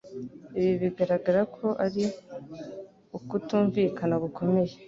Ibi biragaragara ko ari ukutumvikana gukomeye.